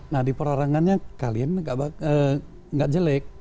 nah di perwarangannya kalian gak jelek